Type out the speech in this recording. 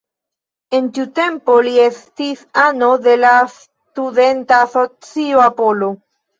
En tiu tempo li estis ano de la studenta asocio "Apollo".